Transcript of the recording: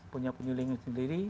punya penyelingnya sendiri